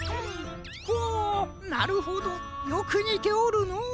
ほなるほどよくにておるのう。